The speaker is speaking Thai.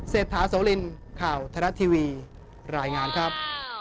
เศรษฐาโสลินข่าวไทยรัฐทีวีรายงานครับ